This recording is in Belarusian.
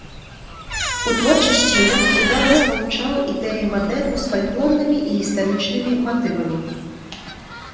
У творчасці ён удала спалучаў ідэі мадэрну з фальклорнымі і гістарычнымі матывамі.